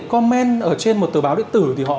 comment ở trên một tờ báo điện tử thì họ